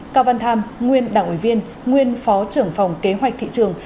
cao văn tham nguyên đảng ủy viên nguyên phó trưởng phòng kế hoạch thị trường